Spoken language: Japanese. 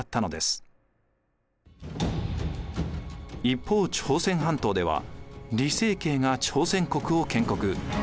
一方朝鮮半島では李成桂が朝鮮国を建国。